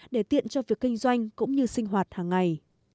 để tiện cho việc kinh doanh cũng như sinh hoạt hàng ngày